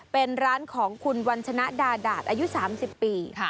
เป็นร้านของคุณวัญชนะดาดาตอายุ๓๐ปี